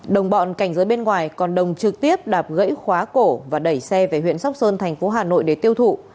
đồng bọn cảnh giới bên ngoài còn đồng trực tiếp đạp gãy khóa cổ và đẩy xe về huyện sóc sơn thành phố hà nội để tiêu thụ